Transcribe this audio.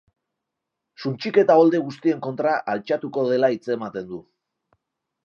Suntsiketa olde guztien kontra altxatuko dela hitz ematen du.